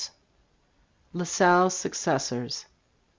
LA SALLE'S SUCCESSORS.